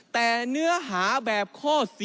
แต่เนื้อหาแบบข้อ๔